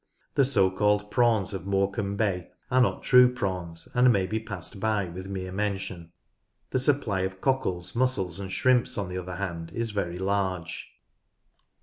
The so called prawns of Morecambe Bay are not true prawns, and may be passed by with mere mention. The supply of cockles, mussels, and shrimps on the other hand is very large.